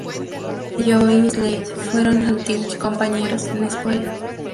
Joe y Slade fueron antiguos compañeros en la escuela.